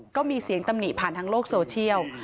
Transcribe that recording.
ก็มีเสียงตำหนิผ่านทางโลกโซเชียล